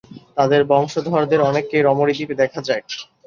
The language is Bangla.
তাদের বংশধরদের অনেককেই রমরী দ্বীপে দেখা যায়।